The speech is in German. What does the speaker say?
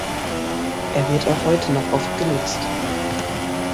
Er wird auch heute noch oft genutzt.